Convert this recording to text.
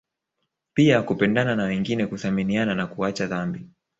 Pia kupendana na wengine kuthaminiana na kuacha dhambi